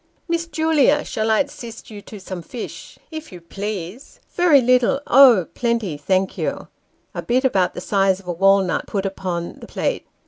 " Miss Julia, shall I assist you to some fish ?"" If you please very little oh ! plenty, thank you " (a bit about the size of a walnut put upon the plate).